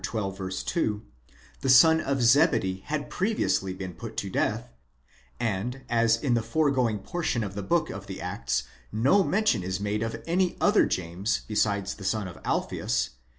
2, the son of Zebedee had previously been put to death, and as in the foregoing portion of the book of the Acts no mention is made of any other James besides the son of Alpheus (i.